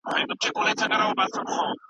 زه هڅه کوم چي هره مياشت يو کتاب خلاص کړم.